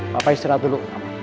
papa istirahat dulu